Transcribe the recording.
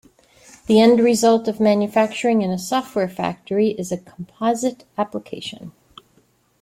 The end result of manufacturing in a software factory is a composite application.